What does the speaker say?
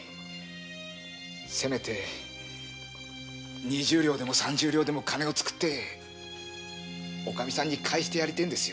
せめて２０両でも３０両でも作っておかみさんに返したいんです。